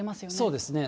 そうですね。